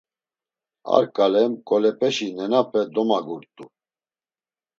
A ǩale mǩolepeşi nenape domagurt̆u.